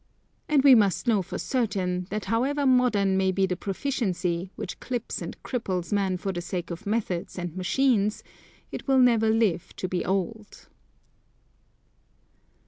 And we must know for certain, that however modern may be the proficiency, which clips and cripples man for the sake of methods and machines, it will never live to be old.